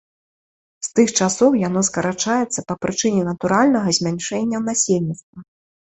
З тых часоў яно скарачаецца па прычыне натуральнага змяншэння насельніцтва.